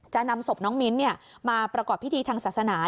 จะนำศพน้องมิ้นมาประกอบพิธีทางศาสนา